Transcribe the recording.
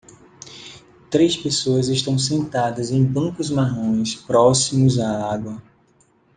Três pessoas estão sentadas em bancos marrons próximos à água.